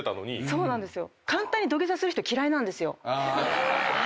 そうなんですよ。